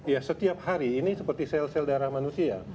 ya setiap hari ini seperti sel sel darah manusia